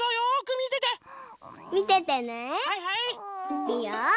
いくよ。